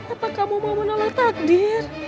apa kamu mau menolak takdir